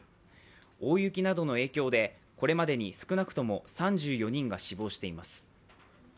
大雪などの影響でこれまでに少なくとも３４人が死亡しています。